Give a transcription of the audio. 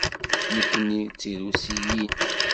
Nekkni d Tirusiyin.